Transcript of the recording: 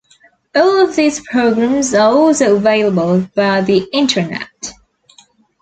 All of these programmes are also available via the internet.